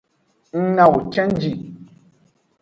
Ng nawo cenji.